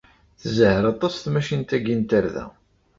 Tzehher aṭas tmacint-agi n tarda.